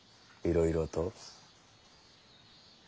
いろいろと？